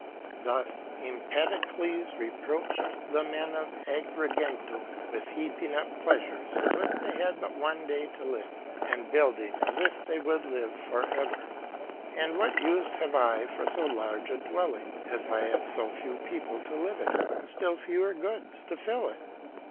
Thus Empedocles reproached the men of Agrigentum with heaping up pleasures as if they had but one day to live, and building as if they would live for ever. And what use have I for so large a dwelling, as I have so few people to live in it, and still fewer goods to fill it?